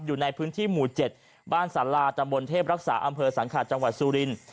อยู่ในพื้นที่หมู่๗บ้านสาราตำบลเทพรักษาอำเภอสังขาดจังหวัดสุรินทร์